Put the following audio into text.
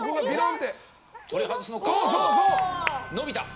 伸びた。